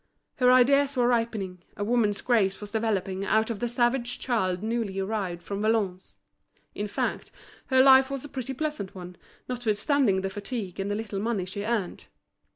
Her ideas were ripening, a woman's grace was developing out of the savage child newly arrived from Valognes. In fact, her life was a pretty pleasant one, notwithstanding the fatigue and the little money she earned.